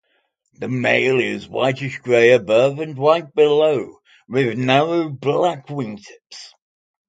The male is whitish grey above and white below, with narrow black wingtips.